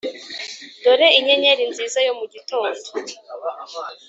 dore inyenyeri nziza yo mu gitondo,